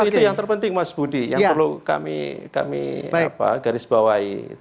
itu yang terpenting mas budi yang perlu kami garis bawahi